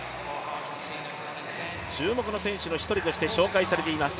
注目の選手の一人として紹介されています